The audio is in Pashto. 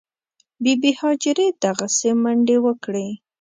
بي بي هاجرې دغسې منډې وکړې.